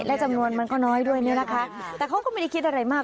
และจำนวนมันก็น้อยด้วยเนี่ยนะคะแต่เขาก็ไม่ได้คิดอะไรมาก